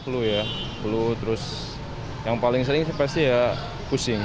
peluh ya peluh terus yang paling sering pasti ya pusing